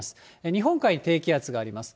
日本海に低気圧があります。